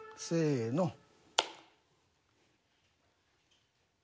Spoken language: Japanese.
せの。